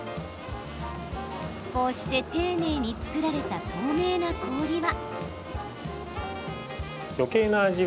こうして丁寧に作られた透明な氷は。